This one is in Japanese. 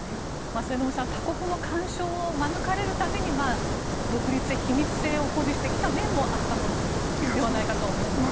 末延さん、他国の干渉を免れるために独立性秘密性を保持してきた面もあったのではと思いますが。